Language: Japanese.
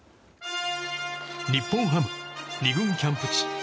日本ハム、２軍キャンプ地